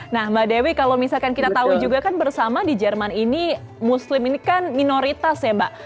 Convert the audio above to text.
nah mbak dewi kalau misalkan kita tahu juga kan bersama di jerman ini muslim ini kan minoritas ya mbak